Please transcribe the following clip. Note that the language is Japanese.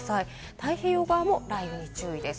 太平洋側も雷雨に注意です。